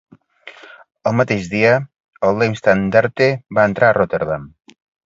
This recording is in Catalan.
El mateix dia, el "Leibstandarte" va entrar a Rotterdam.